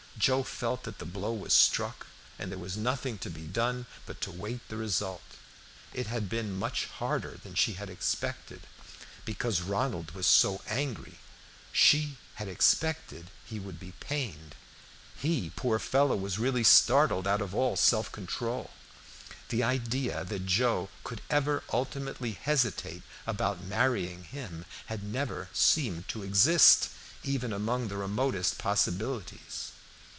Joe felt that the blow was struck, and there was nothing to be done but to wait the result. It had been much harder than she had expected, because Ronald was so angry; she had expected he would be pained. He, poor fellow, was really startled out of all self control. The idea that Joe could ever ultimately hesitate about marrying him had never seemed to exist, even among the remotest possibilities.